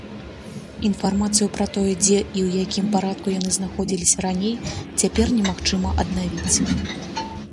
Інфармацыю пра тое, дзе і ў якім парадку яны знаходзіліся раней, цяпер немагчыма аднавіць.